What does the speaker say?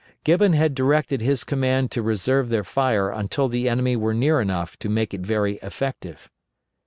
Gibbon had directed his command to reserve their fire until the enemy were near enough to make it very effective.